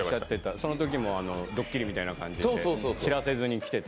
そのときもドッキリみたいな感じで、知らせずに来てた。